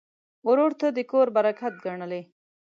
ورور ته د کور برکت ګڼې.